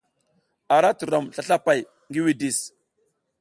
A ra turom slaslapay ngi widis.